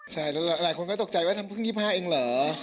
ใช่แล้วหลายคนก็ตกใจว่าทำเพิ่ง๒๕เองเหรอ